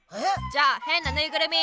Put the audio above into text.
じゃあ「へんなぬいぐるみ」。